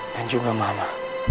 dan juga mama